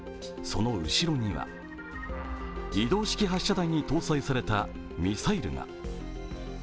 その後ろには、移動式発射台に搭載されたミサイルが。